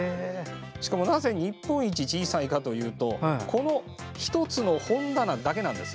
しかも、なぜ日本一小さいかというとこの１つの本棚だけなんです。